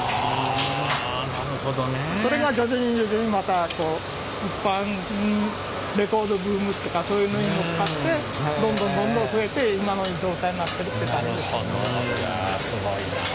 あなるほどね。それが徐々に徐々にまたレコードブームっていうかそういうのに乗っかってどんどんどんどん増えて今の状態になってるって感じですね。